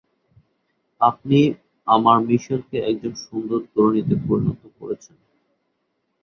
আপনি আমার মিশেলকে একজন সুন্দর তরুণীতে পরিণত করেছেন!